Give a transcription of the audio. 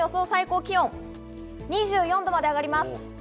最高気温、２４度まで上がります。